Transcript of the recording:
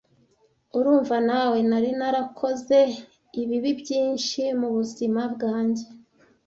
Urumva nawe, nari narakoze ibibi byinshi mu buzima bwanjye,